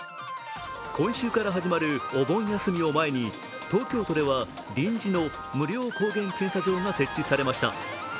今週から始まるお盆休みを前に、東京都では臨時の無料抗原検査場が設置されました。